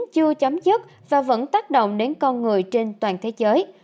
chưa chấm dứt và vẫn tác động đến con người trên toàn thế giới